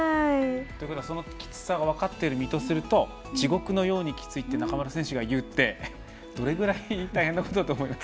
そのきつさが分かっている身とすると地獄のようにきついって中村選手が言うってどれくらい大変なことだと思います？